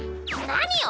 何よ。